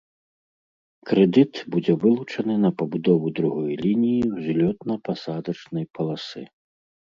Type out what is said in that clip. Крэдыт будзе вылучаны на пабудову другой лініі ўзлётна-пасадачнай паласы.